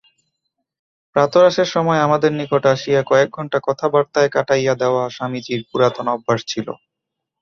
প্রাতরাশের সময় আমাদের নিকট আসিয়া কয়েক ঘণ্টা কথাবার্তায় কাটাইয়া দেওয়া স্বামীজীর পুরাতন অভ্যাস ছিল।